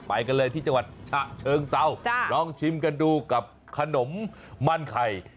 ไปกันเลยที่จังหวัดฉะเชิงเซาลองชิมกันดูกับขนมมันไข่